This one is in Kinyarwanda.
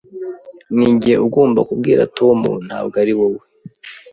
Ninjye ugomba kubwira Tom, ntabwo ari wowe